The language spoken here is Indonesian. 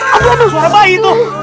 apa tuh suara bayi tuh